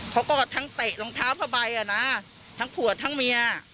เขาก็ทั้งเตะรองเท้าผ้าใบอ่ะนะทั้งผัวทั้งเมีย